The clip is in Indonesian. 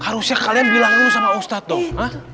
harusnya kalian bilang dulu sama ustaz dong